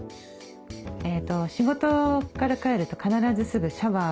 仕事から帰ると必ずすぐシャワー。